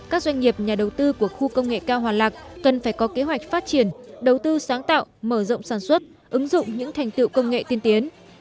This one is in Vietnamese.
các doanh nghiệp nhà đầu tư của khu công nghệ cao hòa lạc cần phải có kế hoạch phát triển đầu tư sáng tạo mở rộng sản xuất ứng dụng những thành tựu công nghệ tiên tiến